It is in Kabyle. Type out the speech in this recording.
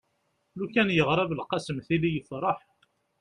lukan yeɣra belqsem tili yefreḥ